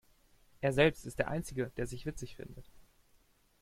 Er selbst ist der Einzige, der sich witzig findet.